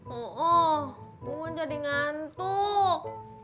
oh bunga jadi ngantuk